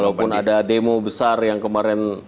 walaupun ada demo besar yang kemarin